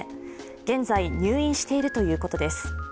現在、入院しているということです。